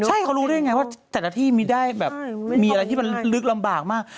ใช่เขารู้ได้ยังไงว่าแต่ละที่มีได้แบบมีอะไรที่มันลึกลำบากมาก